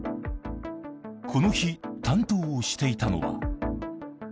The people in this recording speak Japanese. この日、担当をしていたのは。